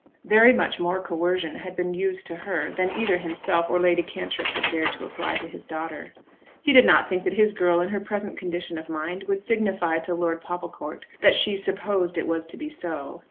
Very much more coercion had been used to her then than either himself or Lady Cantrip had dared to apply to his daughter. He did not think that his girl in her present condition of mind would signify to Lord Popplecourt that "she supposed it was to be so."